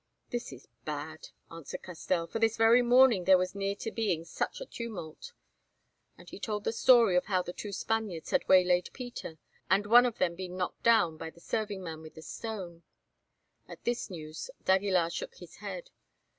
"That is bad," answered Castell, "for this very morning there was near to being such a tumult," and he told the story of how the two Spaniards had waylaid Peter, and one of them been knocked down by the serving man with a stone. At this news d'Aguilar shook his head.